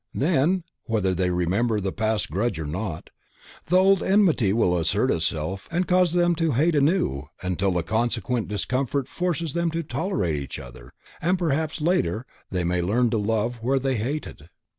Then, whether they remember the past grudge or not, the old enmity will assert itself and cause them to hate anew until the consequent discomfort forces them to tolerate each other, and perhaps later they may learn to love where they hated.